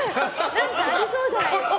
ありそうじゃないですか？